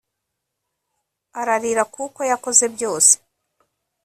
Ararira kuko yakoze byose